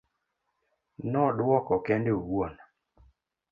nodwoko kende owuon